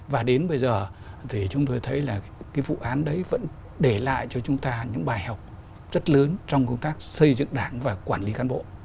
và đến bây giờ thì chúng tôi thấy là cái vụ án đấy vẫn để lại cho chúng ta những bài học rất lớn trong công tác xây dựng đảng và quản lý cán bộ